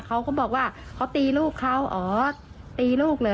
เขาก็บอกว่าเขาตีลูกเขาอ๋อตีลูกเหรอ